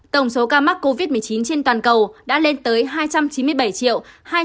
tổng số ca mắc covid một mươi chín trên toàn cầu đã lên tới hai trăm chín mươi bảy triệu